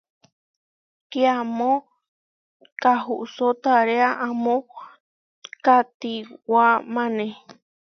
Kiamó kahusó taréa amó kahtiwámane.